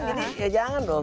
jadi ya jangan dong